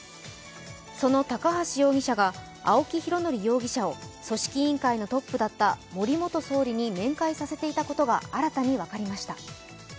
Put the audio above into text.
その高橋容疑者が青木拡憲容疑者を組織委員会のトップだった森元総理に面会させていたことが新たに分かりました。